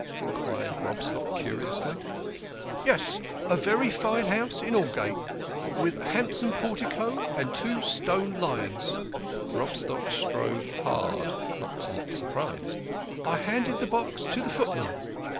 enquired Grobstock curiously. " Yes ; a very fine house in Aldgate, with a handsome portico and two stone lions." Grobstock strove hard not to look surprised. " I handed the box to the footman."